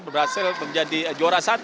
berhasil menjadi juara satu